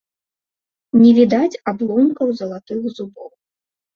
Не відаць абломкаў залатых зубоў.